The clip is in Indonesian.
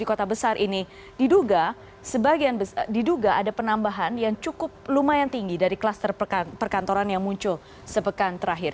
di kota besar ini diduga sebagian diduga ada penambahan yang cukup lumayan tinggi dari kluster perkantoran yang muncul sepekan terakhir